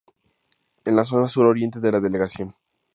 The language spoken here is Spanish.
En la zona sur-oriente de la delegación.